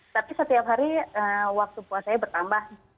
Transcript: tapi setiap hari waktu puasanya bertambah